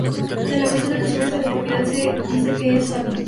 De la persona que sufre esta deformidad se dice que es "zambo".